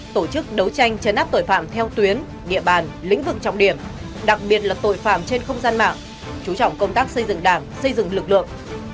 tổ chức đấu tranh chấn áp tội phạm theo tuyến địa bàn lĩnh vực trọng điểm đặc biệt là tội phạm trên không gian mạng chú trọng công tác xây dựng đảng xây dựng lực lượng